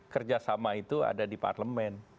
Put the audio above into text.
kerjasama itu ada di parlemen